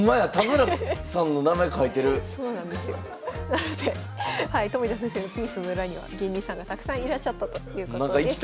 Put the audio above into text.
なので冨田先生のピースの裏には芸人さんがたくさんいらっしゃったということです。